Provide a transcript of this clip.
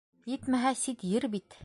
Етмәһә, сит ер бит...